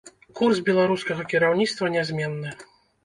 Курс беларускага кіраўніцтва нязменны.